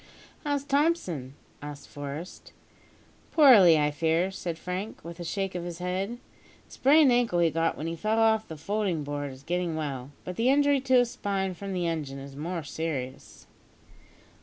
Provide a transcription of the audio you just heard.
"How's Thompson?" asked Forest. "Poorly, I fear," said Frank, with a shake of his head. "The sprained ankle he got when he fell off the folding board is getting well, but the injury to his spine from the engine is more serious."